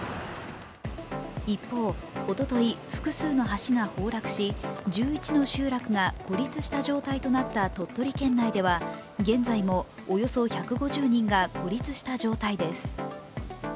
一方、おととい複数の橋が崩落し１１の集落が孤立した状態となった鳥取県では現在もおよそ１５０人が孤立した状態です。